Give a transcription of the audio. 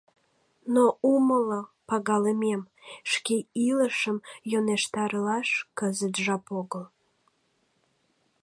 Но умыло, пагалымем, шке илышым йӧнештарылаш кызыт жап огыл.